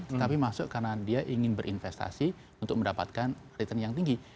tetapi masuk karena dia ingin berinvestasi untuk mendapatkan return yang tinggi